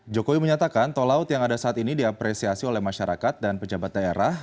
jokowi menyatakan tol laut yang ada saat ini diapresiasi oleh masyarakat dan pejabat daerah